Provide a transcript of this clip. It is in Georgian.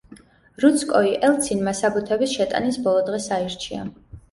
რუცკოი ელცინმა საბუთების შეტანის ბოლო დღეს აირჩია.